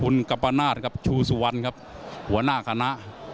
คุณกัมปนาศครับชูสุวรรณครับหัวหน้าคณะ